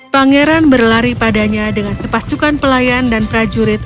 pangeran berlari padanya dengan sepasukan pelayan dan prajurit